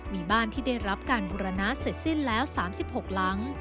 มีบ้านที่ได้รับการบุรณะเสร็จสิ้นแล้ว๓๖หลัง